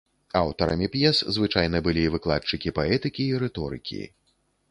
Аўтарамі п'ес звычайна былі выкладчыкі паэтыкі і рыторыкі.